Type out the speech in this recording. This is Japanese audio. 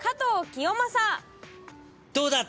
どうだ？